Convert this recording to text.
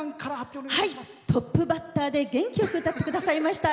トップバッターで元気よく歌ってくださいました